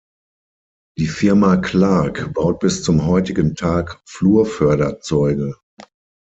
Die Firma Clark baut bis zum heutigen Tag Flurförderzeuge.